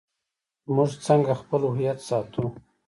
موږ څنګه خپل هویت ساتو؟